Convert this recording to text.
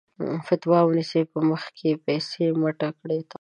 فَتوا ونيسه په مخ کې پسې مٔټه کړه تقوا